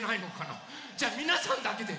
じゃみなさんだけで。